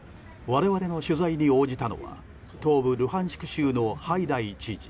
我々の取材に応じたのは東部ルハンシク州のハイダイ知事。